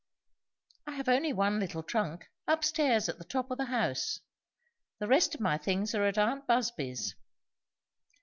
"I have only one little trunk, up stairs at the top of the house. The rest of my things are at aunt Busby's."